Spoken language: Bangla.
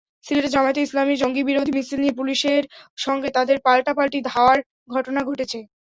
সিলেটে জামায়াতে ইসলামীর জঙ্গিবাদবিরোধী মিছিল নিয়ে পুলিশের সঙ্গে তাদের পাল্টাপাল্টি ধাওয়ার ঘটনা ঘটেছে।